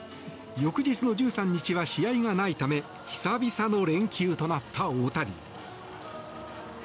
翌日の１３日は試合がないため久々の連休となった大谷。